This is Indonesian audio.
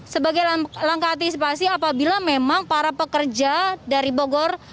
sebagai langkah antisipasi apabila memang para pekerja dari bogor